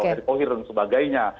atau dari pohir dan sebagainya